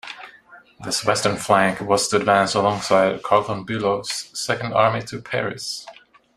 This western flank was to advance alongside Karl von Bülow's Second Army to Paris.